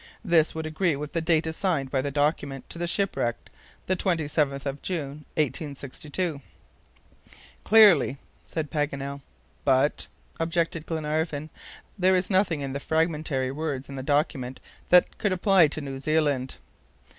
This would agree with the date assigned by the document to the shipwreck the 27th of June, 1862." "Clearly," said Paganel. "But," objected Glenarvan, "there is nothing in the fragmentary words in the document that could apply to New Zealand."